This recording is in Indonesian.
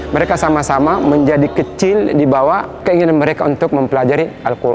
mereka sama sama menjadi kecil di bawah keinginan mereka untuk mempelajari al quran